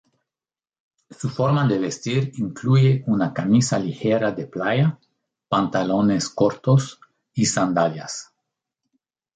Su forma de vestir incluye una camisa ligera de playa, pantalones cortos y sandalias.